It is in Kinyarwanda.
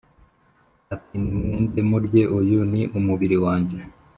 ati Nimwende murye uyu ni umubiri wanjye